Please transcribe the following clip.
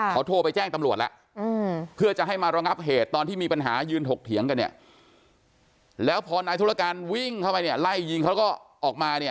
เขาโทรไปแจ้งตำรวจแล้วอืม